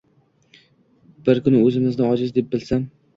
Bir kuni uzimni ojiz deb bilsam